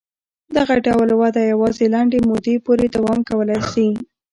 دغه ډول وده یوازې لنډې مودې پورې دوام کولای شي.